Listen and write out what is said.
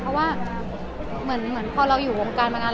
เพราะว่าเหมือนพอเราอยู่วงการมานาน